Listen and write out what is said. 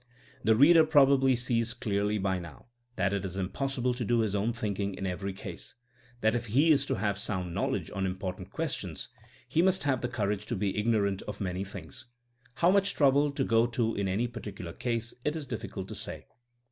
The reader probably sees dearly by now that it is impossible to do his own thinking in every case ; that if he is to have sound knowl edge on important questions he must have the THINEINa AS A SCIENCE 235 courage to be ignorant of many things. How much trouble to go to in any particular case it is difficult to say.